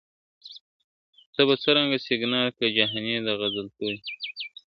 ته به څرنګه سینګار کړې جهاني د غزل توري !.